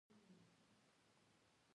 سړک په کادور کې له سیند نه تاو شوی وو.